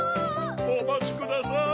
おまちください！